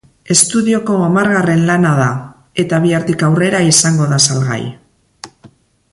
Estudioko hamargarren lana da, eta bihartik aurrera izango da salgai.